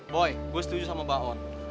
boy gue setuju sama mbak on